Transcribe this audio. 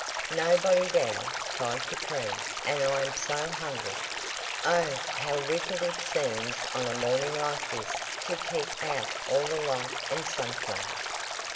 "Nobody down," cried Katrine, "and I am so hungry. Oh, how wicked it seems on a morning like this to keep out all the light and sunshine."